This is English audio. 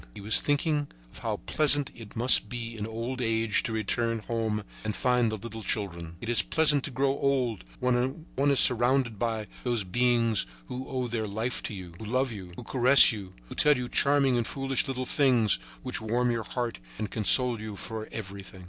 He was thinking of how pleasant it must be in old age to return home and find the little children. It is pleasant to grow old when one is surrounded by those beings who owe their life to you, who love you, who caress you, who tell you charming and foolish little things which warm your heart and console you for everything.